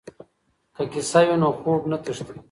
که کیسه وي نو خوب نه تښتي.